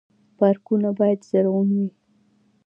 پارکونه باید زرغون وي